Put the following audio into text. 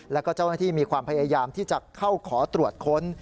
แล้วก็เจ้าหน้าที่มีความพยายามที่จะเข้าขอตรวจค้น